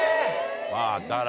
まぁだから。